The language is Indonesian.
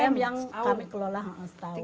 tiga m yang kami kelola setahun